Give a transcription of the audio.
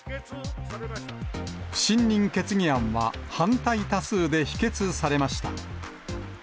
不信任決議案は反対多数で否決されました。